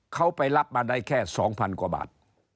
เขาไปรับมาได้แค่๒๐๐กว่าบาท